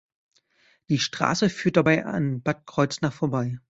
Die Straße führt dabei an Bad Kreuznach vorbei.